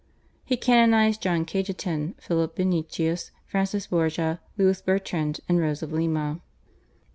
He canonised John Cajetan, Philip Benitius, Francis Borgia, Louis Bertrand, and Rose of Lima.